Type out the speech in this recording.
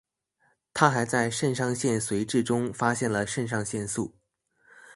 他还在肾上腺髓质中发现了肾上腺素。